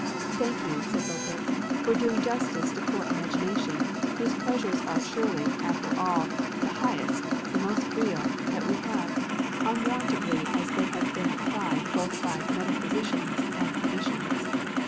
"Thank you," said Beauclerc, "for doing justice to poor imagination, whose pleasures are surely, after all, the highest, the most real, that we have, unwarrantably as they have been decried both by metaphysicians and physicians."